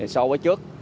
so với trước